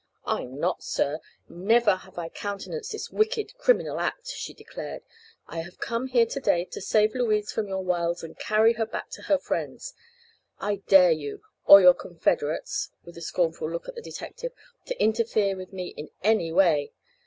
"I'm not, sir! Never have I countenanced this wicked, criminal act," she declared. "I have come here to day to save Louise from your wiles and carry her back to her friends. I dare you, or your confederates," with a scornful look at the detective, "to interfere with me in any way."